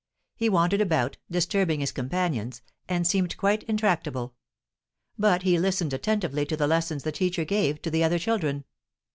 He wandered about, disturbing his companions, and seemed quite intractable; but he listened attentively to the lessons the teacher gave to the other children.